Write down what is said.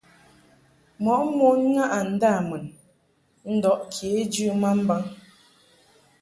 Mɔʼ mon ŋaʼɨ ndâmun ndɔʼ kejɨ ma mbaŋ.